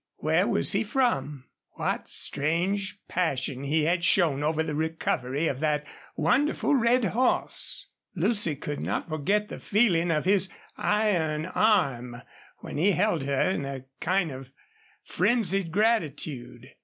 Where was he from? What strange passion he had shown over the recovery of that wonderful red horse! Lucy could not forget the feeling of his iron arm when he held her in a kind of frenzied gratitude.